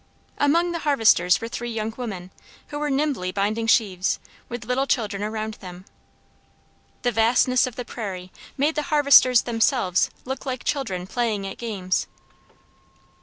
Among the harvesters were three young women, who were nimbly binding sheaves, with little children around them. The vastness of the prairie made the harvesters themselves look like children playing at games.